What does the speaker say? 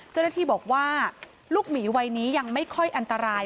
เจ้าหน้าที่บอกว่าลูกหมีวัยนี้ยังไม่ค่อยอันตราย